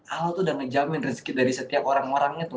allah itu udah ngejamin rizki dari setiap orang orang itu